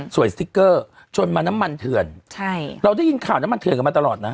สติ๊กเกอร์จนมาน้ำมันเถื่อนใช่เราได้ยินข่าวน้ำมันเถื่อนกันมาตลอดนะ